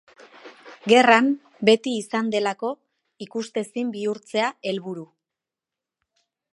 Gerran, beti izan delako ikustezin bihurtzea helburu.